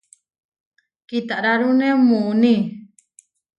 Kitararúne muuní.